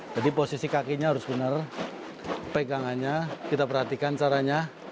jadi posisi kakinya harus benar pegangannya kita perhatikan caranya